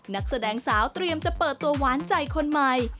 นักแสดงสาวเตรียมจะเปิดตัวหวานใจคนใหม่